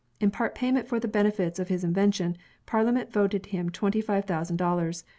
In part payment for the benefits of his invention. Parliament voted him twenty five thousand dollars.